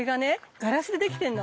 ガラスでできてんの。